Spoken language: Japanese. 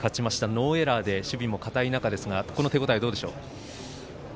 ノーエラーで守備も堅い中ですがこの手応え、どうでしょう？